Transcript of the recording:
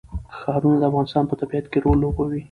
ښارونه د افغانستان په طبیعت کې رول لوبوي.